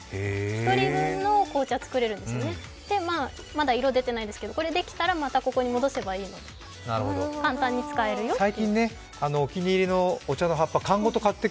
一人分の紅茶作れるんですよね、まだ色出てないんですけどこれできたら、またここに戻せばいいので簡単に使えるよという。